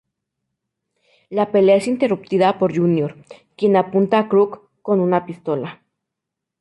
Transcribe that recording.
La pelea es interrumpida por Junior, quien apunta a Krug con una pistola.